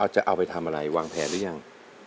จะเอาไปทำอะไรวางแผนหรือยัง